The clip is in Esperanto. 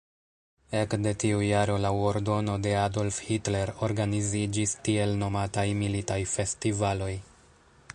Ekde tiu jaro laŭ ordono de Adolf Hitler organiziĝis tiel nomataj "militaj festivaloj".